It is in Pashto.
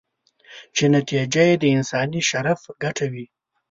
چې نتیجه یې د انساني شرف ګټه وي.